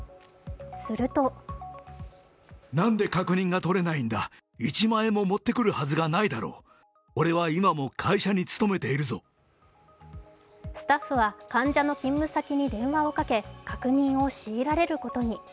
するとスタッフは患者の勤務先に電話をかけ確認を強いられることに。